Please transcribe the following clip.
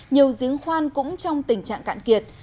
nhiều diễn khoan cũng trong tình trạng cạn kiệt